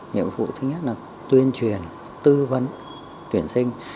nhiệm vụ thứ nhất là tuyên truyền tư vấn tuyển sinh